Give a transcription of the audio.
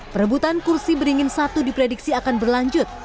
perebutan kursi beringin satu diprediksi akan berlanjut